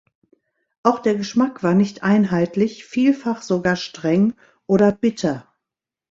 Auch der Geschmack war nicht einheitlich, vielfach sogar streng oder bitter.